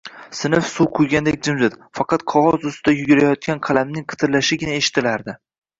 Sinf suv quygandek jimjit, faqat qog`oz ustida yugurayotgan qalamning qitirlashigina eshitilardi…